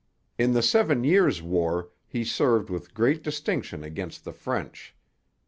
In the Seven Years' War he served with great distinction against the French.